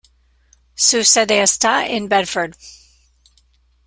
Su sede está en Bedford.